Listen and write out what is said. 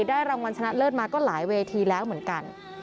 รางวัลชนะเลิศมาก็หลายเวทีแล้วเหมือนกัน